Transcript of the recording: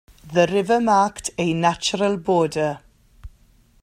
The river marked a natural border.